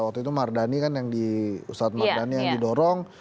waktu itu mardani kan yang di ustadz mardani yang didorong